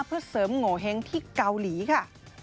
เพื่อเสริมโงเห้งที่เกาหลีค่ะ